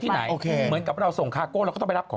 ไหนโอเคเหมือนกับเราส่งคาโก้เราก็ต้องไปรับของ